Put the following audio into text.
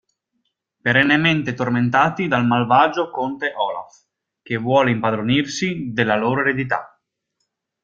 Perennemente tormentati dal malvagio conte Olaf, che vuole impadronirsi della loro eredità.